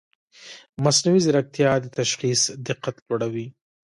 مصنوعي ځیرکتیا د تشخیص دقت لوړوي.